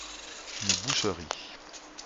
Une boucherie.